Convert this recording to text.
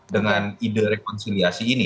dengan ide rekonsiliasi ini